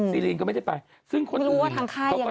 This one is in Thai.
ซีรีนก็ไม่ได้ไปซึ่งคนอื่นไม่รู้ว่าทางค่ายอย่างไร